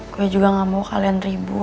gue juga gak mau kalian ribut